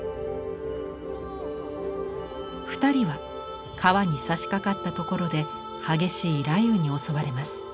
２人は川にさしかかったところで激しい雷雨に襲われます。